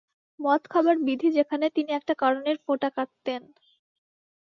মদ খাবার বিধি যেখানে, তিনি একটা কারণের ফোঁটা কাটতেন।